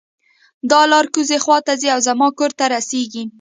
دا لار کوزۍ خوا ته ځي او زما کور ته رسیږي